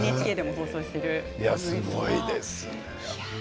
すごいですね。